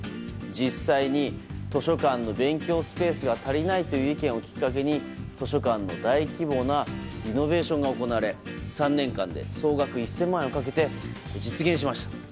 実際に図書館の勉強スペースが足りないという意見をきっかけに図書館の大規模なリノベーションが行われ３年間で総額１０００万円をかけて実現しました。